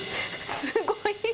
すごい！